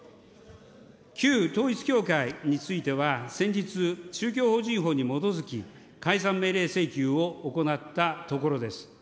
旧統一教会については、先日、宗教法人法に基づき、解散命令請求を行ったところです。